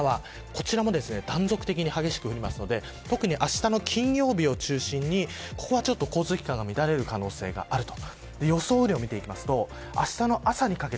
こちらも断続的に激しく降りますので特にあしたの金曜日を中心にここはちょっと交通機関が乱れる可能性があります。